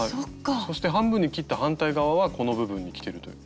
そして半分に切った反対側はこの部分にきてるという。